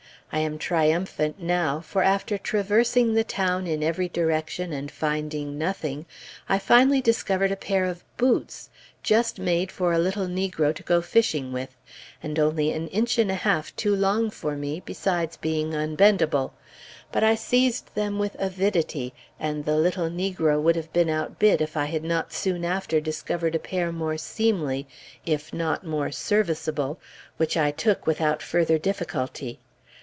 I am triumphant now, for after traversing the town in every direction and finding nothing, I finally discovered a pair of boots just made for a little negro to go fishing with, and only an inch and a half too long for me, besides being unbendable; but I seized them with avidity, and the little negro would have been outbid if I had not soon after discovered a pair more seemly, if not more serviceable, which I took without further difficulty.